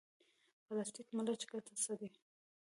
د پلاستیکي ملچ ګټه څه ده؟